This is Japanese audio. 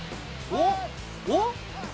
おっ！